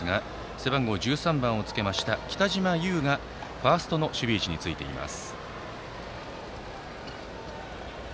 背番号１３番をつけた北嶋侑がファーストの守備位置についています。